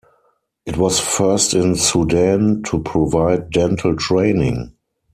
It was the first in Sudan to provide dental training.